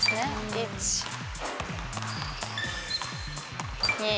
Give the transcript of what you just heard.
１、２。